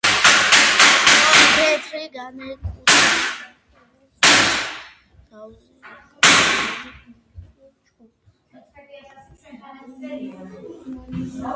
რკო თეთრი განეკუთნება შავი ზღვის აუზის ეკოლოგიურ–გეოგრაფიულ ჯგუფს.